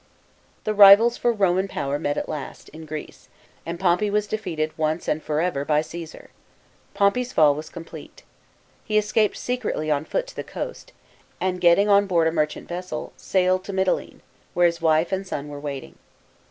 The rivals for Roman power met at last, in Greece, and Pompey was defeated once and for ever by Caesar. Pompey's fall w r as complete. He escaped secretly on foot to the coast, and getting on board a merchant vessel, sailed to Mitylene, where his wife and son were waiting.